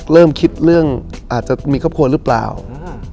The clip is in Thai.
เริ่มคิดเรื่องอาจจะมีครอบครัวหรือเปล่าอืม